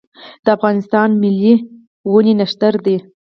د افغانستان ملي ونې نښتر دی